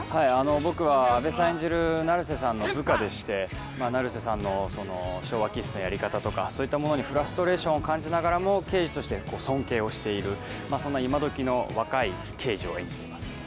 僕は阿部さん演じる成瀬さんの部下でして成瀬さんの昭和気質なやり方とか、そんなものにフラストレーションを抱えながらも尊敬している、今どきの若い刑事をしています。